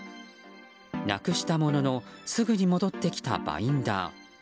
なくしたもののすぐに戻ってきたバインダー。